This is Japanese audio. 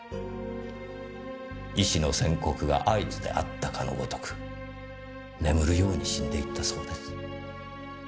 医師の宣告が合図であったかのごとく眠るように死んでいったそうです。